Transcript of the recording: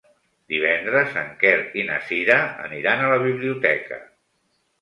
Divendres en Quer i na Cira aniran a la biblioteca.